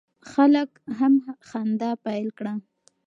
خلک هم خندا پیل کړه.